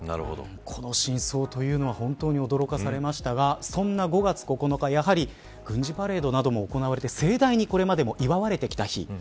この真相というのは本当に驚かされましたがそんな５月９日やはり軍事パレードなども行われて盛大にこれまでも祝われてきた日。